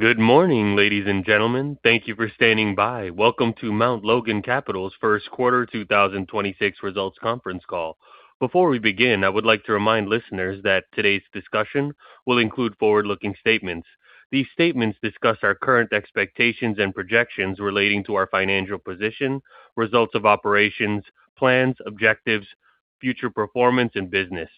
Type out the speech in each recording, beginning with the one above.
Good morning, ladies and gentlemen. Thank you for standing by. Welcome to Mount Logan Capital's first quarter 2026 results conference call. Before we begin, I would like to remind listeners that today's discussion will include forward-looking statements. These statements discuss our current expectations and projections relating to our financial position, results of operations, plans, objectives, future performance, and business.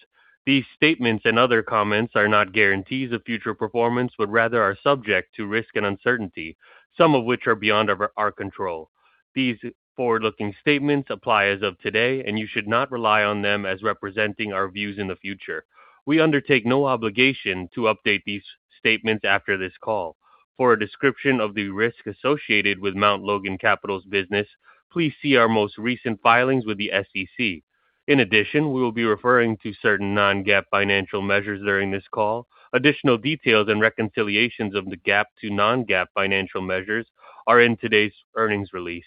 These statements and other comments are not guarantees of future performance, but rather are subject to risk and uncertainty, some of which are beyond our control. These forward-looking statements apply as of today. You should not rely on them as representing our views in the future. We undertake no obligation to update these statements after this call. For a description of the risks associated with Mount Logan Capital's business, please see our most recent filings with the SEC. In addition, we will be referring to certain non-GAAP financial measures during this call. Additional details and reconciliations of the GAAP to non-GAAP financial measures are in today's earnings release.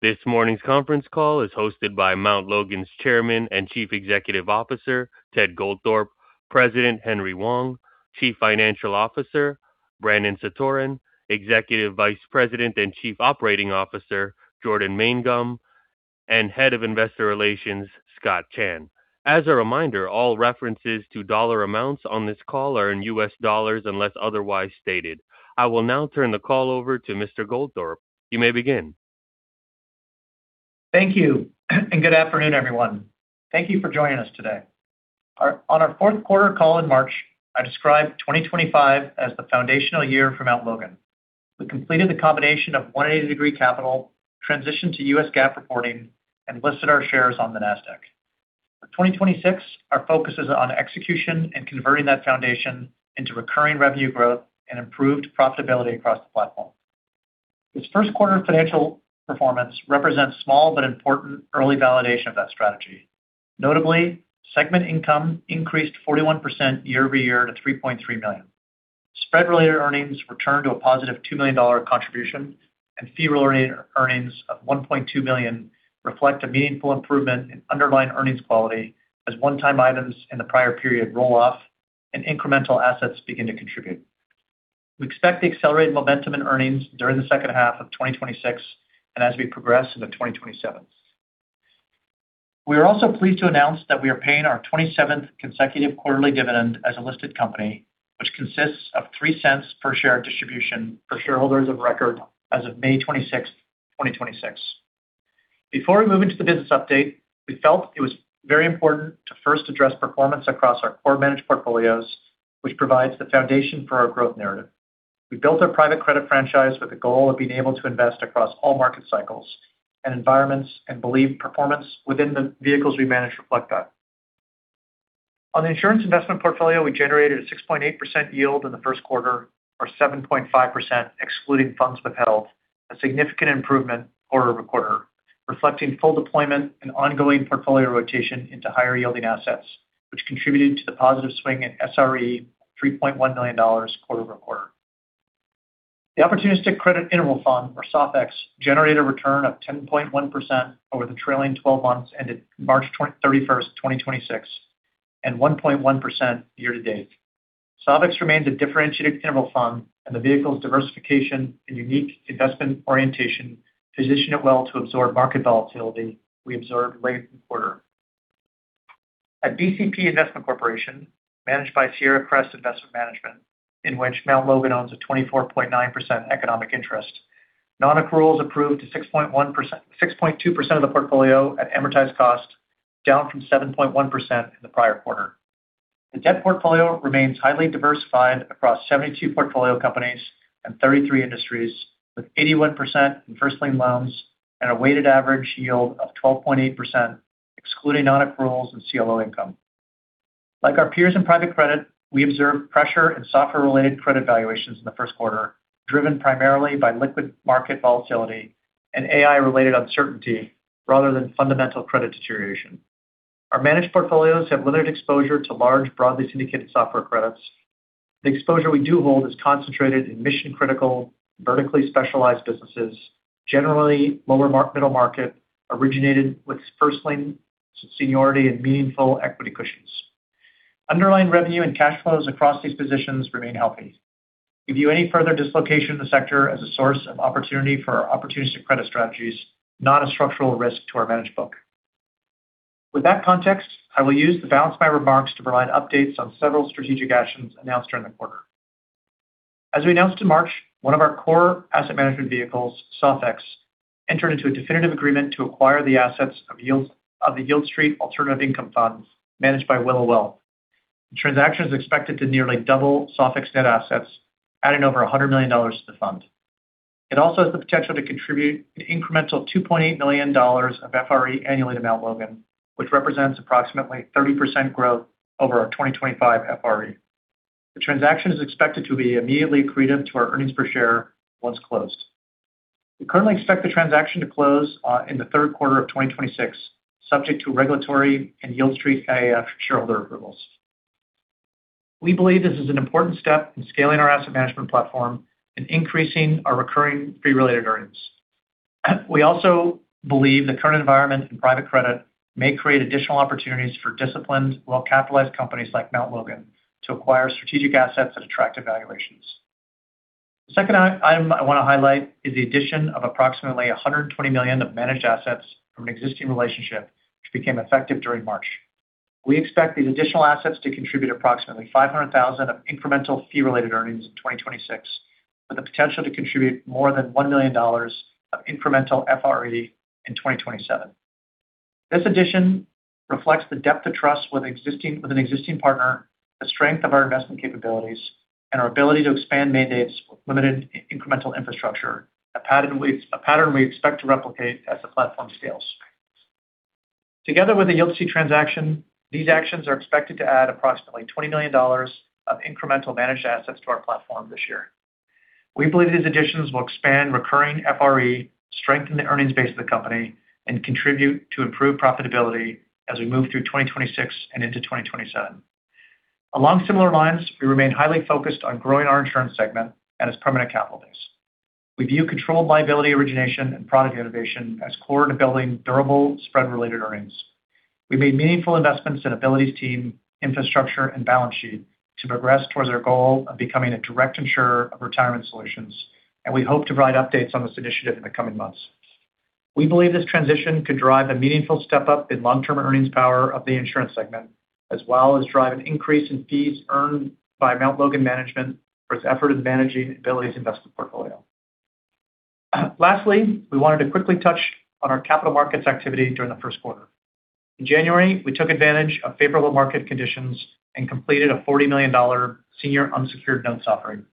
This morning's conference call is hosted by Mount Logan's Chairman and Chief Executive Officer, Ted Goldthorpe, President Henry Wang, Chief Financial Officer Brandon Satoren, Executive Vice President and Chief Operating Officer Jordan Mangum, and Head of Investor Relations Scott Chan. As a reminder, all references to dollar amounts on this call are in U.S. dollars unless otherwise stated. I will now turn the call over to Mr. Goldthorpe. You may begin. Thank you, good afternoon, everyone. Thank you for joining us today. On our fourth quarter call in March, I described 2025 as the foundational year for Mount Logan. We completed the combination of 180 Degree Capital, transitioned to U.S. GAAP reporting, and listed our shares on the Nasdaq. For 2026, our focus is on execution and converting that foundation into recurring revenue growth and improved profitability across the platform. This first quarter financial performance represents small but important early validation of that strategy. Notably, segment income increased 41% year-over-year to $3.3 million. Spread-related earnings returned to a positive $2 million contribution, and fee-related earnings of $1.2 million reflect a meaningful improvement in underlying earnings quality as one-time items in the prior period roll off and incremental assets begin to contribute. We expect the accelerated momentum in earnings during the second half of 2026 and as we progress into 2027. We are also pleased to announce that we are paying our 27th consecutive quarterly dividend as a listed company, which consists of $0.03 per share distribution for shareholders of record as of May 26, 2026. Before we move into the business update, we felt it was very important to first address performance across our core managed portfolios, which provides the foundation for our growth narrative. We built our private credit franchise with the goal of being able to invest across all market cycles and environments and believe performance within the vehicles we manage reflect that. On the insurance investment portfolio, we generated a 6.8% yield in the first quarter, or 7.5% excluding funds withheld, a significant improvement quarter-over-quarter, reflecting full deployment and ongoing portfolio rotation into higher-yielding assets, which contributed to the positive swing in SRE of $3.1 million quarter-over-quarter. The opportunistic credit interval fund, or SOFIX, generated a return of 10.1% over the trailing 12 months ended March 31, 2026, and 1.1% year to date. SOFIX remains a differentiated interval fund, and the vehicle's diversification and unique investment orientation position it well to absorb market volatility we observed late in the quarter. At BCP Investment Corporation, managed by Sierra Crest Investment Management, in which Mount Logan owns a 24.9% economic interest, non-accruals improved to 6.2% of the portfolio at amortized cost, down from 7.1% in the prior quarter. The debt portfolio remains highly diversified across 72 portfolio companies and 33 industries, with 81% in first lien loans and a weighted average yield of 12.8%, excluding non-accruals and CLO income. Like our peers in private credit, we observed pressure in software related credit valuations in the first quarter, driven primarily by liquid market volatility and AI related uncertainty rather than fundamental credit deterioration. Our managed portfolios have limited exposure to large, broadly syndicated software credits. The exposure we do hold is concentrated in mission-critical, vertically specialized businesses, generally lower middle market, originated with first-lien seniority and meaningful equity cushions. Underlying revenue and cash flows across these positions remain healthy. We view any further dislocation in the sector as a source of opportunity for our opportunistic credit strategies, not a structural risk to our managed book. With that context, I will use the balance of my remarks to provide updates on several strategic actions announced during the quarter. As we announced in March, one of our core asset management vehicles, SOFIX, entered into a definitive agreement to acquire the assets of the Yieldstreet Alternative Income Fund managed by Willow Well. The transaction is expected to nearly double SOFIX net assets, adding over $100 million to the fund. It also has the potential to contribute an incremental $2.8 million of FRE annually to Mount Logan, which represents approximately 30% growth over our 2025 FRE. The transaction is expected to be immediately accretive to our earnings per share once closed. We currently expect the transaction to close in the third quarter of 2026, subject to regulatory and Yieldstreet AIF shareholder approvals. We believe this is an important step in scaling our asset management platform and increasing our recurring fee-related earnings. We also believe the current environment in private credit may create additional opportunities for disciplined, well-capitalized companies like Mount Logan to acquire strategic assets at attractive valuations. The second item I want to highlight is the addition of approximately $120 million of managed assets from an existing relationship which became effective during March. We expect these additional assets to contribute approximately $500,000 of incremental fee-related earnings in 2026, with the potential to contribute more than $1 million of incremental FRE in 2027. This addition reflects the depth of trust with an existing partner, the strength of our investment capabilities, and our ability to expand mandates with limited incremental infrastructure. A pattern we expect to replicate as the platform scales. Together with the Yieldstreet transaction, these actions are expected to add approximately $20 million of incremental managed assets to our platform this year. We believe these additions will expand recurring FRE, strengthen the earnings base of the company, and contribute to improved profitability as we move through 2026 and into 2027. Along similar lines, we remain highly focused on growing our insurance segment and its permanent capital base. We view controlled liability origination and product innovation as core to building durable spread-related earnings. We've made meaningful investments in Ability's team, infrastructure, and balance sheet to progress towards our goal of becoming a direct insurer of retirement solutions, and we hope to provide updates on this initiative in the coming months. We believe this transition could drive a meaningful step-up in long-term earnings power of the insurance segment, as well as drive an increase in fees earned by Mount Logan Management for its effort in managing Ability's investment portfolio. Lastly, we wanted to quickly touch on our capital markets activity during the first quarter. In January, we took advantage of favorable market conditions and completed a $40 million senior unsecured note offering.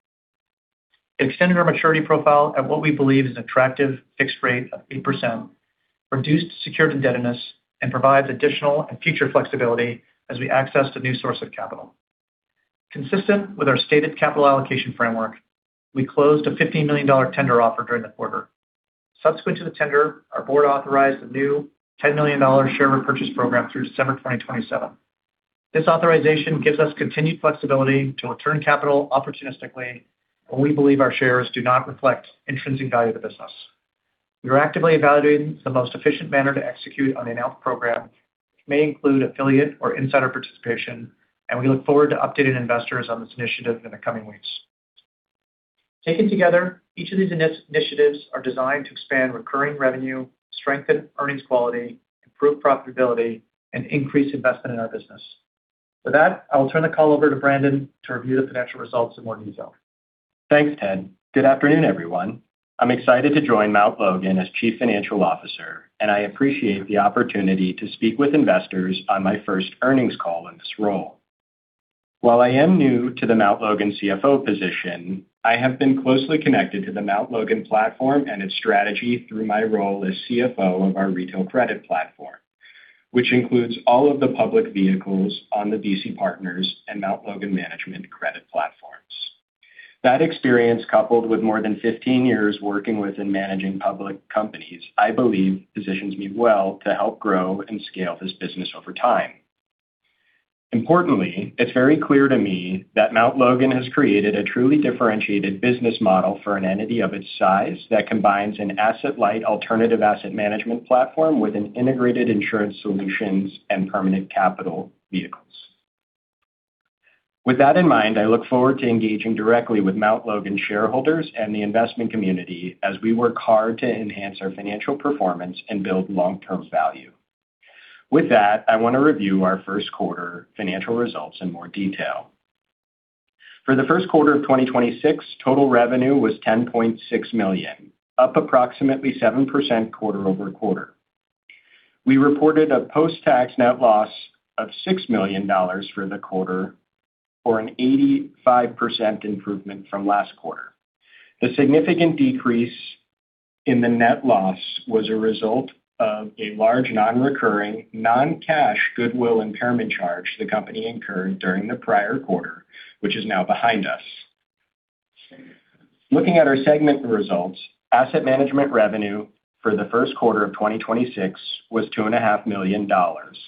It extended our maturity profile at what we believe is an attractive fixed rate of 8%, reduced secured indebtedness, and provides additional and future flexibility as we access the new source of capital. Consistent with our stated capital allocation framework, we closed a $15 million tender offer during the quarter. Subsequent to the tender, our board authorized a new $10 million share repurchase program through December 2027. This authorization gives us continued flexibility to return capital opportunistically when we believe our shares do not reflect intrinsic value of the business. We are actively evaluating the most efficient manner to execute on the announced program, which may include affiliate or insider participation, and we look forward to updating investors on this initiative in the coming weeks. Taken together, each of these initiatives are designed to expand recurring revenue, strengthen earnings quality, improve profitability, and increase investment in our business. With that, I will turn the call over to Brandon Satoren to review the financial results in more detail. Thanks, Ted. Good afternoon, everyone. I'm excited to join Mount Logan as Chief Financial Officer, and I appreciate the opportunity to speak with investors on my first earnings call in this role. While I am new to the Mount Logan CFO position, I have been closely connected to the Mount Logan platform and its strategy through my role as CFO of our retail credit platform, which includes all of the public vehicles on the BC Partners and Mount Logan management credit platforms. That experience, coupled with more than 15 years working with and managing public companies, I believe positions me well to help grow and scale this business over time. Importantly, it's very clear to me that Mount Logan has created a truly differentiated business model for an entity of its size that combines an asset-light alternative asset management platform with an integrated insurance solutions and permanent capital vehicles. With that in mind, I look forward to engaging directly with Mount Logan shareholders and the investment community as we work hard to enhance our financial performance and build long-term value. With that, I want to review our first quarter financial results in more detail. For the first quarter of 2026, total revenue was $10.6 million, up approximately 7% quarter-over-quarter. We reported a post-tax net loss of $6 million for the quarter, or an 85% improvement from last quarter. The significant decrease in the net loss was a result of a large non-recurring, non-cash goodwill impairment charge the company incurred during the prior quarter, which is now behind us. Looking at our segment results, asset management revenue for the first quarter of 2026 was $2.5 million,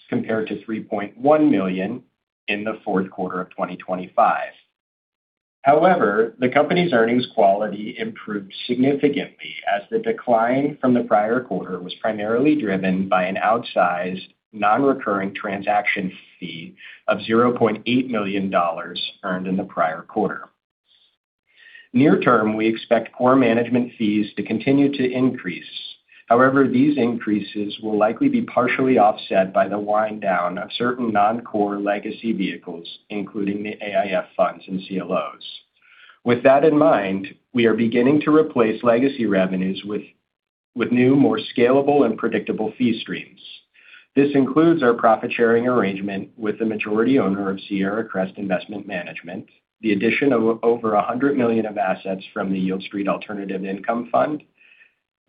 compared to $3.1 million in the fourth quarter of 2025. However, the company's earnings quality improved significantly as the decline from the prior quarter was primarily driven by an outsized non-recurring transaction fee of $0.8 million earned in the prior quarter. Near term, we expect core management fees to continue to increase. However, these increases will likely be partially offset by the wind down of certain non-core legacy vehicles, including the AIF funds and CLOs. With that in mind, we are beginning to replace legacy revenues with new, more scalable and predictable fee streams. This includes our profit-sharing arrangement with the majority owner of Sierra Crest Investment Management, the addition of over $100 million of assets from the Yieldstreet Alternative Income Fund,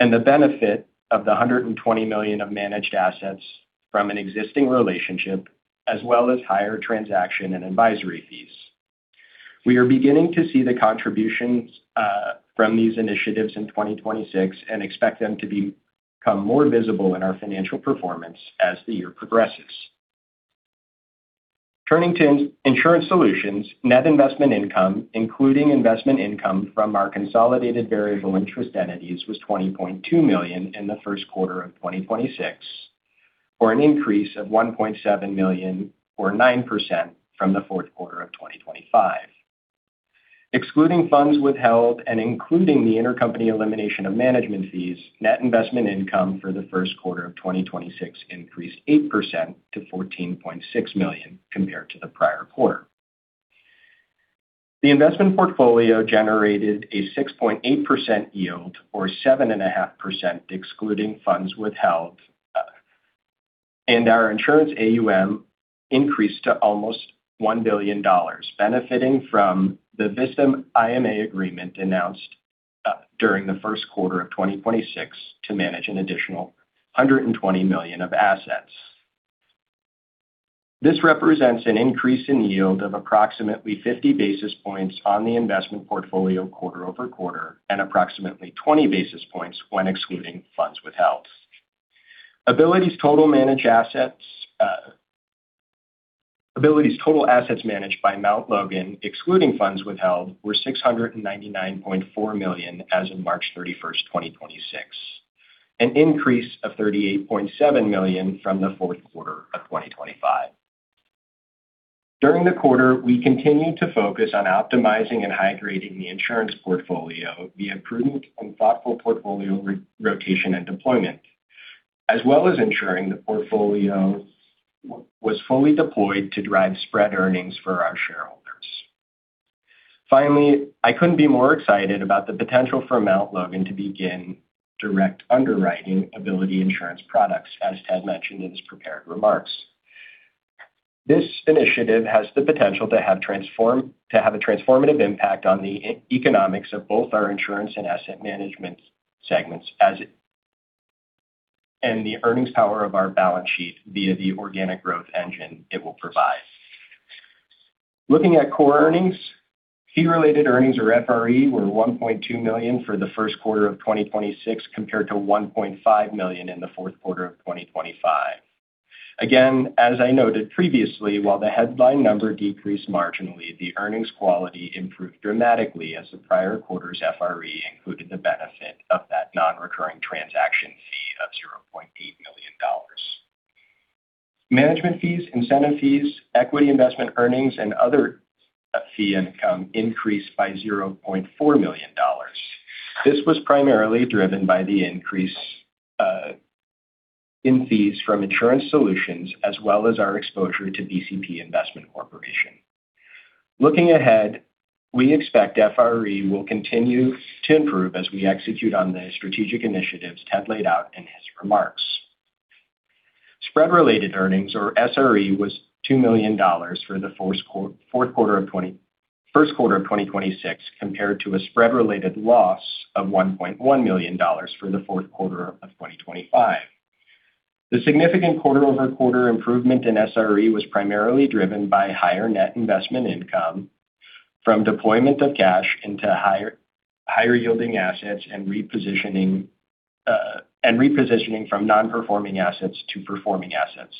and the benefit of the $120 million of managed assets from an existing relationship, as well as higher transaction and advisory fees. We are beginning to see the contributions from these initiatives in 2026 and expect them to become more visible in our financial performance as the year progresses. Turning to Insurance solutions, net investment income, including investment income from our consolidated variable interest entities, was $20.2 million in the first quarter of 2026, or an increase of $1.7 million or 9% from the fourth quarter of 2025. Excluding funds withheld and including the intercompany elimination of management fees, net investment income for the first quarter of 2026 increased 8% to $14.6 million compared to the prior quarter. The investment portfolio generated a 6.8% yield or 7.5% excluding funds withheld. And our insurance AUM increased to almost $1 billion, benefiting from the Vista IMA agreement announced during the first quarter of 2026 to manage an additional $120 million of assets. This represents an increase in yield of approximately 50 basis points on the investment portfolio quarter-over-quarter, and approximately 20 basis points when excluding funds withheld. Ability's total assets managed by Mount Logan, excluding funds withheld, were $699.4 million as of March 31, 2026, an increase of $38.7 million from the fourth quarter of 2025. During the quarter, we continued to focus on optimizing and high-grading the insurance portfolio via prudent and thoughtful portfolio re-rotation and deployment, as well as ensuring the portfolio was fully deployed to drive spread earnings for our shareholders. Finally, I couldn't be more excited about the potential for Mount Logan to begin direct underwriting Ability Insurance products, as Ted mentioned in his prepared remarks. This initiative has the potential to have a transformative impact on the economics of both our insurance and asset management segments as it and the earnings power of our balance sheet via the organic growth engine it will provide. Looking at core earnings, fee-related earnings or FRE were $1.2 million for the first quarter of 2026 compared to $1.5 million in the fourth quarter of 2025. Again, as I noted previously, while the headline number decreased marginally, the earnings quality improved dramatically as the prior quarter's FRE included the benefit of that non-recurring transaction fee of $0.8 million. Management fees, incentive fees, equity investment earnings, and other fee income increased by $0.4 million. This was primarily driven by the increase in fees from insurance solutions as well as our exposure to BCP Investment Corporation. Looking ahead, we expect FRE will continue to improve as we execute on the strategic initiatives Ted laid out in his remarks. Spread-related earnings, or SRE, was $2 million for the first quarter of 2026 compared to a spread-related loss of $1.1 million for the fourth quarter of 2025. The significant quarter-over-quarter improvement in SRE was primarily driven by higher net investment income from deployment of cash into higher yielding assets and repositioning from non-performing assets to performing assets.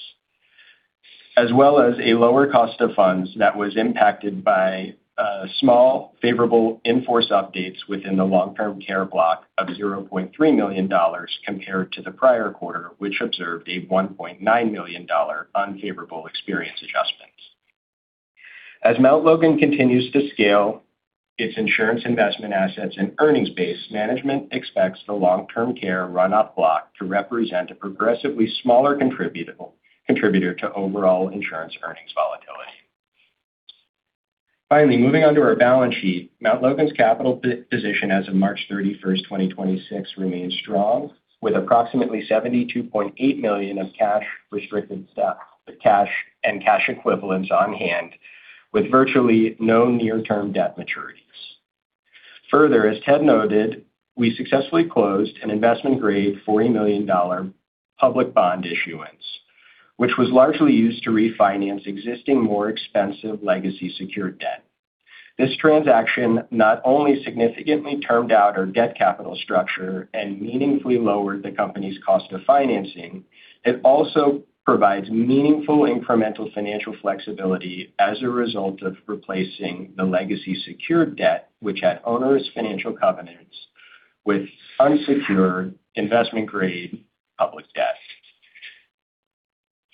A lower cost of funds that was impacted by a small favorable in-force updates within the long-term care block of $0.3 million compared to the prior quarter, which observed a $1.9 million unfavorable experience adjustments. As Mount Logan continues to scale its insurance investment assets and earnings base, management expects the long-term care run-off block to represent a progressively smaller contributor to overall insurance earnings volatility. Finally, moving on to our balance sheet. Mount Logan's capital position as of March 31st, 2026 remains strong, with approximately $72.8 million of cash restricted cash and cash equivalents on hand, with virtually no near-term debt maturities. Further, as Ted noted, we successfully closed an investment-grade $40 million public bond issuance, which was largely used to refinance existing, more expensive legacy secured debt. This transaction not only significantly termed out our debt capital structure and meaningfully lowered the company's cost of financing, it also provides meaningful incremental financial flexibility as a result of replacing the legacy secured debt, which had onerous financial covenants with unsecured investment-grade public debt.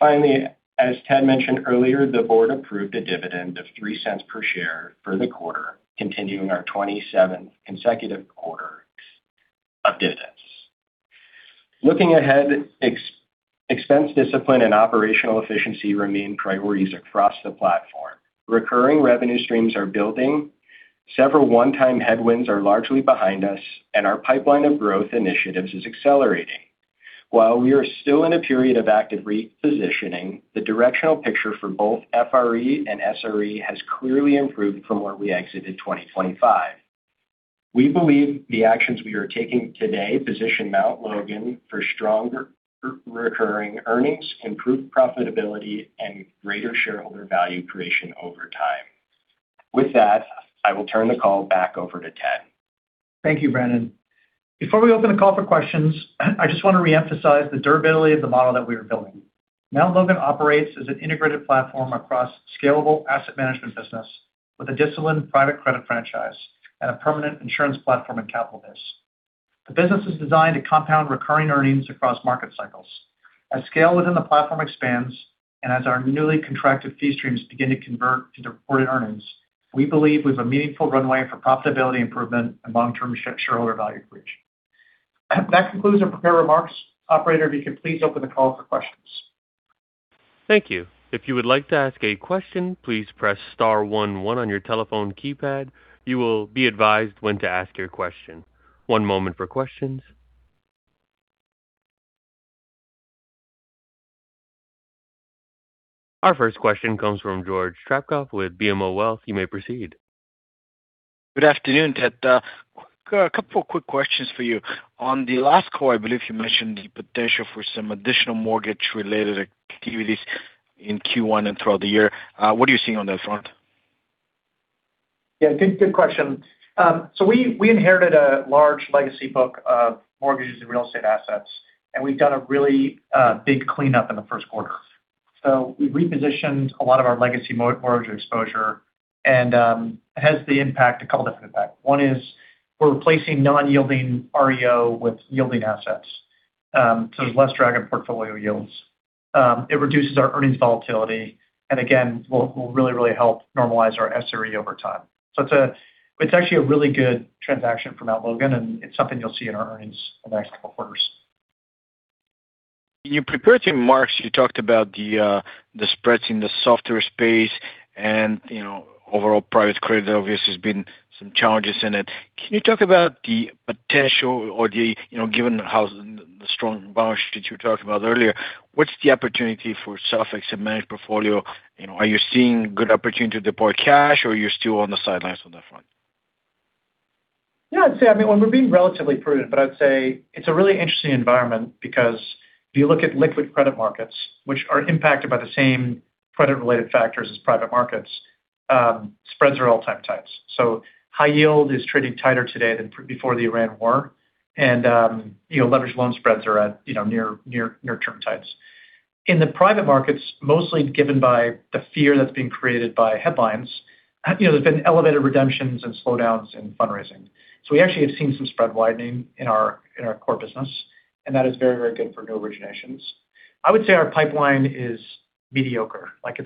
Finally, as Ted mentioned earlier, the board approved a dividend of $0.03 per share for the quarter, continuing our 27 consecutive quarters of dividends. Looking ahead, expense discipline and operational efficiency remain priorities across the platform. Recurring revenue streams are building, several one-time headwinds are largely behind us, and our pipeline of growth initiatives is accelerating. While we are still in a period of active repositioning, the directional picture for both FRE and SRE has clearly improved from where we exited 2025. We believe the actions we are taking today position Mount Logan for stronger recurring earnings, improved profitability, and greater shareholder value creation. With that, I will turn the call back over to Ted. Thank you, Brandon. Before we open the call for questions, I just want to reemphasize the durability of the model that we are building. Mount Logan operates as an integrated platform across scalable asset management business with a disciplined private credit franchise and a permanent insurance platform and capital base. The business is designed to compound recurring earnings across market cycles. As scale within the platform expands and as our newly contracted fee streams begin to convert to the reported earnings, we believe we have a meaningful runway for profitability improvement and long-term shareholder value creation. That concludes our prepared remarks. Operator, if you could please open the call for questions. Thank you. If you would like to ask a question, please press star one one on your telephone keypad. You will be advised when to ask your question. One moment for questions. Our first question comes from George Stroukoff with BMO Wealth Management. You may proceed. Good afternoon, Ted. A couple of quick questions for you. On the last call, I believe you mentioned the potential for some additional mortgage related activities in Q1 and throughout the year. What are you seeing on that front? Good, good question. So we inherited a large legacy book of mortgages and real estate assets, and we've done a really big cleanup in the first quarter. We repositioned a lot of our legacy mortgage exposure, and it has the impact, a couple different impact. One is we're replacing non-yielding REO with yielding assets, so there's less drag on portfolio yields. It reduces our earnings volatility, and again, will really help normalize our SRE over time. It's actually a really good transaction for Mount Logan, and it's something you'll see in our earnings in the next couple of quarters. In your prepared remarks, you talked about the spreads in the software space and, you know, overall private credit. Obviously, there's been some challenges in it. Can you talk about the potential or the, you know, given how the strong balance that you talked about earlier, what's the opportunity for SOFIX and managed portfolio? You know, are you seeing good opportunity to deploy cash or you're still on the sidelines on that front? Yeah, I'd say, I mean, well, we're being relatively prudent, but I'd say it's a really interesting environment because if you look at liquid credit markets, which are impacted by the same credit-related factors as private markets, spreads are all-time tights. High yield is trading tighter today than before the Iran war. You know, leverage loan spreads are at, you know, near term tights. In the private markets, mostly given by the fear that's being created by headlines, you know, there's been elevated redemptions and slowdowns in fundraising. We actually have seen some spread widening in our, in our core business, and that is very, very good for new originations. I would say our pipeline is mediocre. Like,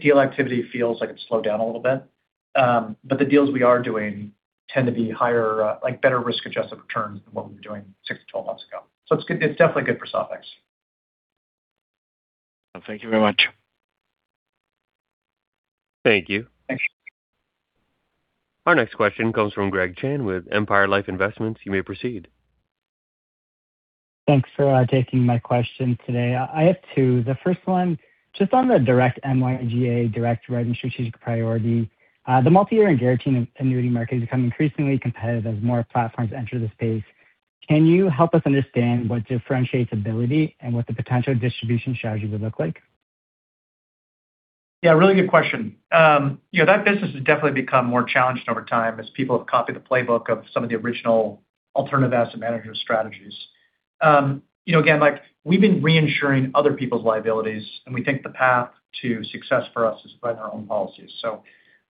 deal activity feels like it's slowed down a little bit. The deals we are doing tend to be higher, better risk-adjusted returns than what we were doing six to 12 months ago. It's definitely good for SOFIX. Thank you very much. Thank you. Thanks. Our next question comes from Greg Chan with Empire Life Investments. You may proceed. Thanks for taking my question today. I have two. The first one, just on the direct MYGA direct writing strategic priority, the multi-year and guaranteed annuity market has become increasingly competitive as more platforms enter the space. Can you help us understand what differentiates Ability and what the potential distribution strategy would look like? Yeah, really good question. You know, that business has definitely become more challenged over time as people have copied the playbook of some of the original alternative asset manager strategies. You know, again, like we've been reinsuring other people's liabilities, and we think the path to success for us is to find our own policies.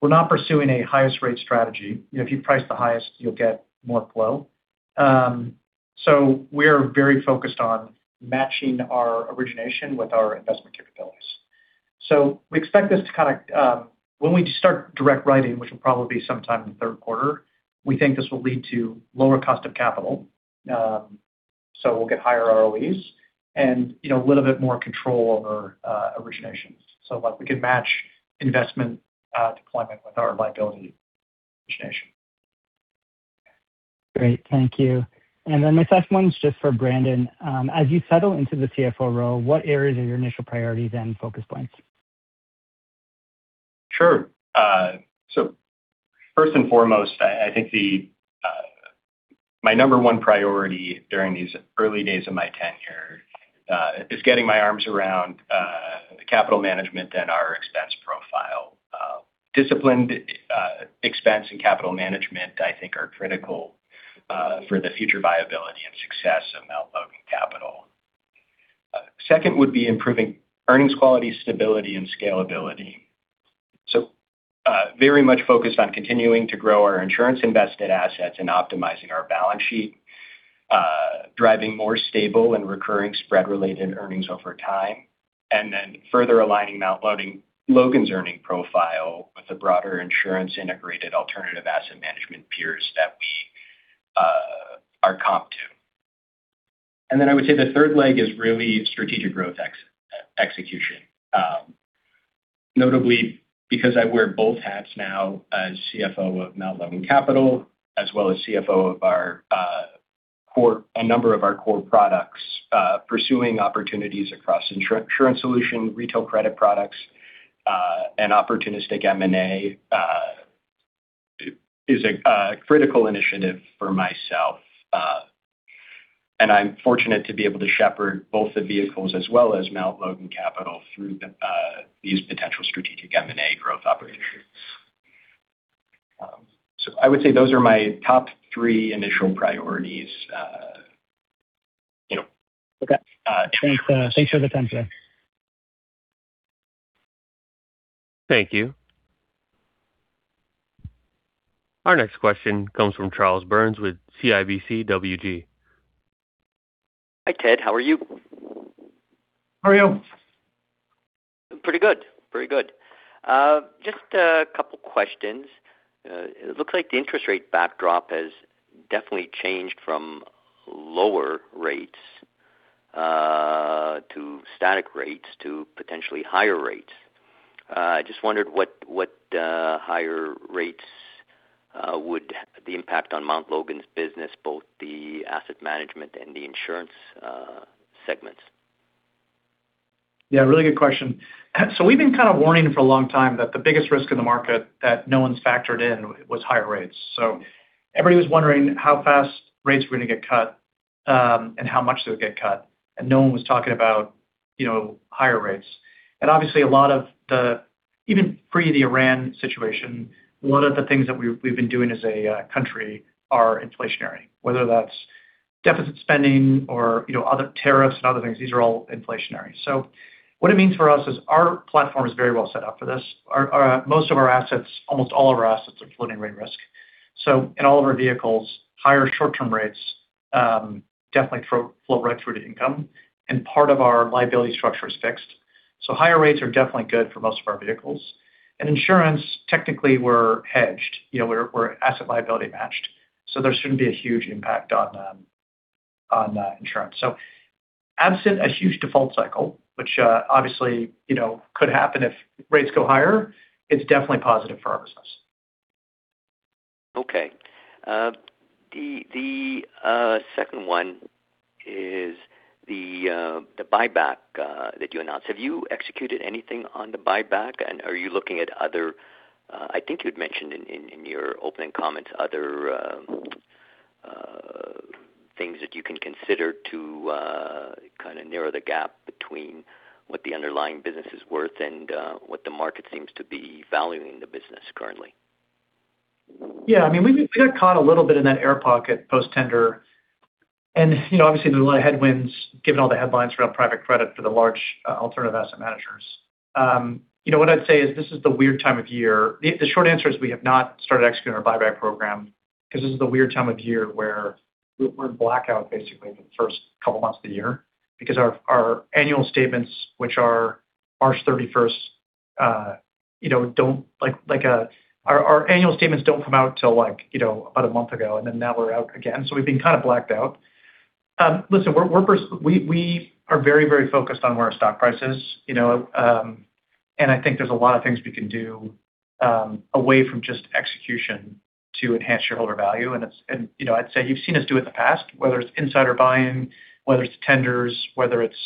We're not pursuing a highest rate strategy. You know, if you price the highest, you'll get more flow. We're very focused on matching our origination with our investment capabilities. We expect this to kinda, When we start direct writing, which will probably be sometime in the third quarter, we think this will lead to lower cost of capital. We'll get higher ROEs and, you know, a little bit more control over originations. Like, we can match investment deployment with our liability origination. Great. Thank you. My second one is just for Brandon Satoren. As you settle into the CFO role, what areas are your initial priorities and focus points? Sure. First and foremost, I think the my number one priority during these early days of my tenure, is getting my arms around capital management and our expense profile. Disciplined expense and capital management, I think are critical for the future viability and success of Mount Logan Capital. Second would be improving earnings quality, stability, and scalability. Very much focused on continuing to grow our insurance invested assets and optimizing our balance sheet. Driving more stable and recurring spread-related earnings over time, and then further aligning Mount Logan's earning profile with the broader insurance integrated alternative asset management peers that we are comp to. I would say the third leg is really strategic growth execution. Notably because I wear both hats now as CFO of Mount Logan Capital, as well as CFO of a number of our core products, pursuing opportunities across insurance solution, retail credit products, and opportunistic M&A, is a critical initiative for myself. I'm fortunate to be able to shepherd both the vehicles as well as Mount Logan Capital through these potential strategic M&A growth opportunities. I would say those are my top three initial priorities, you know. Okay. Thanks, thanks for the time today. Thank you. Our next question comes from Charles Burns with CIBC WG. Hi, Ted. How are you? How are you? I'm pretty good. Pretty good. Just a couple questions. It looks like the interest rate backdrop has definitely changed from lower rates to static rates to potentially higher rates. Just wondered what higher rates would the impact on Mount Logan's business, both the asset management and the insurance segments. Yeah, really good question. We've been kind of warning for a long time that the biggest risk in the market that no one's factored in was higher rates. Everybody was wondering how fast rates were gonna get cut, and how much they would get cut. No one was talking about, you know, higher rates. Obviously, a lot of the even pre the Iran situation, a lot of the things that we've been doing as a country are inflationary, whether that's deficit spending or, you know, other tariffs and other things. These are all inflationary. What it means for us is our platform is very well set up for this. Our most of our assets, almost all of our assets are floating rate risk. In all of our vehicles, higher short-term rates definitely flow right through to income, and part of our liability structure is fixed. Higher rates are definitely good for most of our vehicles. In insurance, technically we're hedged. You know, we're asset liability matched, there shouldn't be a huge impact on insurance. Absent a huge default cycle, which obviously, you know, could happen if rates go higher, it's definitely positive for our business. Okay. The second one is the buyback that you announced. Have you executed anything on the buyback? Are you looking at other, I think you'd mentioned in your opening comments, other things that you can consider to kind of narrow the gap between what the underlying business is worth and what the market seems to be valuing the business currently? Yeah, I mean, we got caught a little bit in that air pocket post-tender. You know, obviously there's a lot of headwinds given all the headlines around private credit for the large alternative asset managers. You know, what I'd say is this is the weird time of year. The short answer is we have not started executing our buyback program 'cause this is the weird time of year where we're in blackout basically for the first couple months of the year because our annual statements, which are March 31st, you know, don't come out till like, you know, about a month ago, and then now we're out again. We've been kind of blacked out. Listen, we are very, very focused on where our stock price is, you know. I think there's a lot of things we can do away from just execution to enhance shareholder value. You know, I'd say you've seen us do it in the past, whether it's insider buying, whether it's tenders, whether it's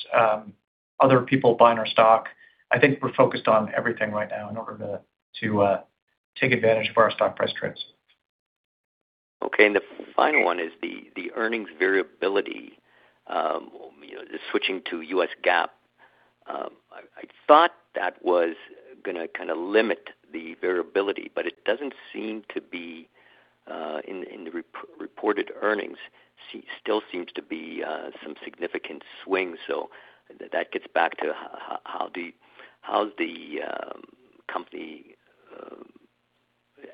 other people buying our stock. I think we're focused on everything right now in order to take advantage of where our stock price trades. Okay. The final one is the earnings variability, you know, switching to U.S. GAAP. I thought that was gonna kinda limit the variability, but it doesn't seem to be in the reported earnings. Still seems to be some significant swings. That gets back to how's the company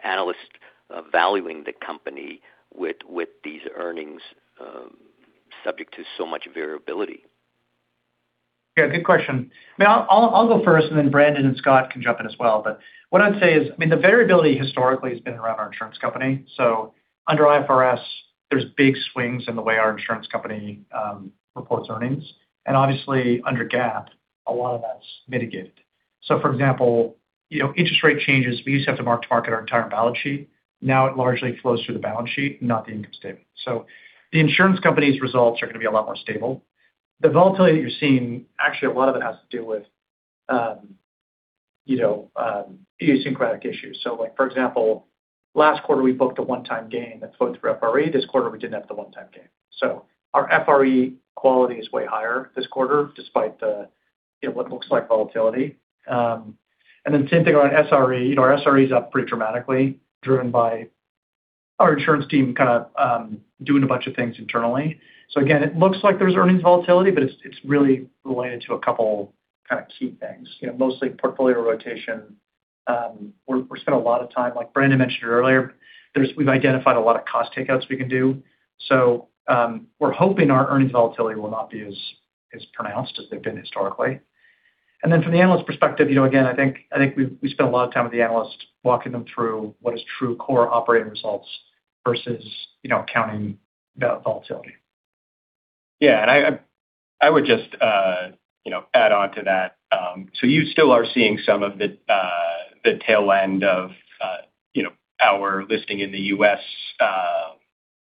analyst valuing the company with these earnings subject to so much variability. Yeah, good question. I mean, I'll go first. Then Brandon Satoren and Scott Chan can jump in as well. What I'd say is, I mean, the variability historically has been around our insurance company. Under IFRS, there's big swings in the way our insurance company reports earnings. Obviously under GAAP, a lot of that's mitigated. For example, you know, interest rate changes, we used to have to mark to market our entire balance sheet. Now it largely flows through the balance sheet, not the income statement. The insurance company's results are gonna be a lot more stable. The volatility that you're seeing, actually a lot of it has to do with, you know, idiosyncratic issues. Like, for example, last quarter, we booked a one-time gain that flowed through FRE. This quarter, we didn't have the one-time gain. Our FRE quality is way higher this quarter, despite the, you know, what looks like volatility. Same thing on SRE. You know, our SRE is up pretty dramatically, driven by our insurance team kind of doing a bunch of things internally. Again, it looks like there's earnings volatility, but it's really related to a couple kind of key things. You know, mostly portfolio rotation. We spend a lot of time, like Brandon mentioned earlier, we've identified a lot of cost takeouts we can do. We're hoping our earnings volatility will not be as pronounced as they've been historically. From the analyst perspective, you know, again, I think we spent a lot of time with the analysts walking them through what is true core operating results versus, you know, accounting volatility. Yeah. I would just, you know, add on to that. You still are seeing some of the, you know, the tail end of, you know, our listing in the U.S.,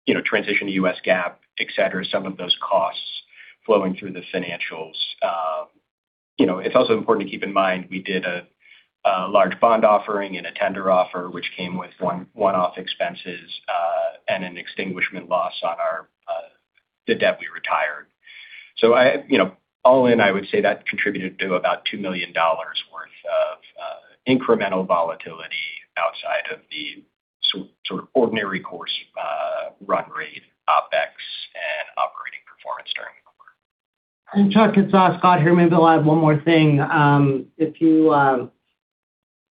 you know, transition to U.S. GAAP, et cetera, some of those costs flowing through the financials. You know, it's also important to keep in mind we did a large bond offering and a tender offer which came with one-off expenses and an extinguishment loss on our the debt we retired. I, you know, all in, I would say that contributed to about $2 million worth of incremental volatility outside of the sort of ordinary course run rate, OpEx, and operating performance during the quarter. Chuck, it's Scott here. Maybe I'll add one more thing.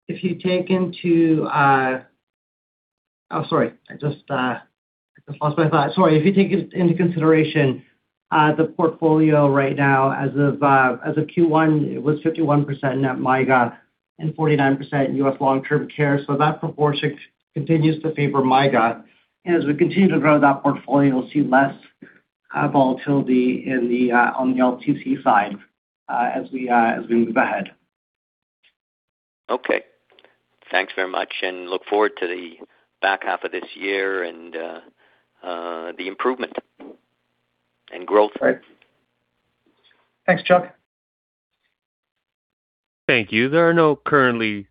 If you take into consideration, the portfolio right now as of Q1, it was 51% net MYGA and 49% U.S. long-term care. That proportion continues to favor MYGA. As we continue to grow that portfolio, we'll see less volatility in the on the LTC side, as we move ahead. Okay. Thanks very much. Look forward to the back half of this year and the improvement and growth. Right. Thanks, Chuck. Thank you. There are currently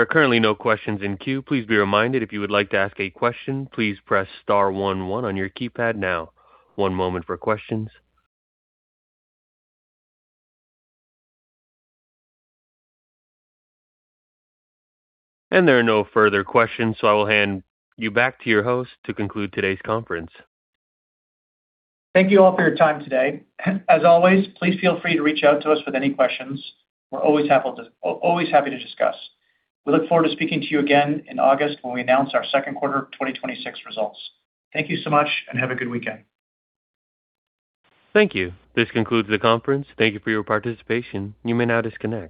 no questions in queue. Please be reminded if you would like to ask a question, please press star one one on your keypad now. One moment for questions. There are no further questions, so I will hand you back to your host to conclude today's conference. Thank you all for your time today. As always, please feel free to reach out to us with any questions. We're always happy to discuss. We look forward to speaking to you again in August when we announce our second quarter 2026 results. Thank you so much and have a good weekend. Thank you. This concludes the conference. Thank you for your participation. You may now disconnect.